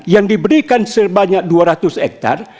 yang diberikan sebanyak dua ratus hektare